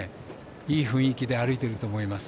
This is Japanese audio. いい雰囲気で歩いていると思います。